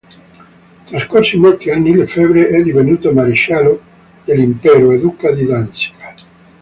Trascorsi molti anni Lefebvre è divenuto maresciallo dell'Impero e duca di Danzica.